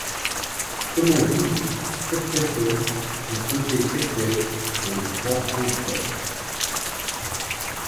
Comment vivre, sept personnes, sans compter Estelle, sur les trois francs du père?